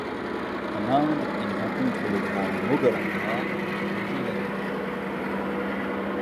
En Inde, il rencontre le Grand Moghol Akbar dont il devient l’ami.